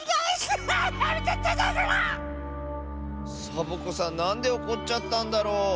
サボ子さんなんでおこっちゃったんだろう。